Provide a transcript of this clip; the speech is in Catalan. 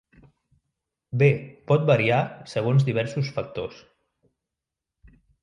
Bé, pot variar segons diversos factors.